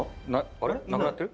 あれっ？なくなってる？